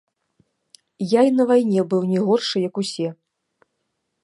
Я і на вайне быў не горшы, як усе.